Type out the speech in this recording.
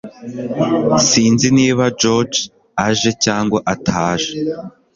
Sinzi niba George aje cyangwa ataje